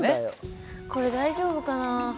これ大丈夫かな？